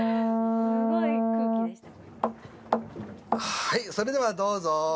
はい、それではどうぞ。